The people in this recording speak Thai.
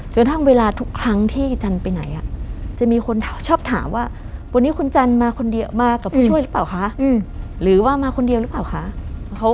กระทั่งเวลาทุกครั้งที่จันไปไหนจะมีคนชอบถามว่าวันนี้คุณจันมาคนเดียวมากับผู้ช่วยหรือเปล่าคะหรือว่ามาคนเดียวหรือเปล่าคะ